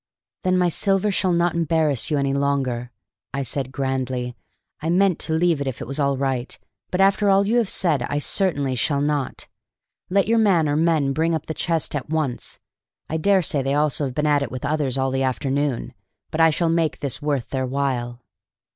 "Then my silver shall not embarrass you any longer," said I grandly. "I meant to leave it if it was all right, but after all you have said I certainly shall not. Let your man or men bring up the chest at once. I dare say they also have been 'at it with others all the afternoon,' but I shall make this worth their while."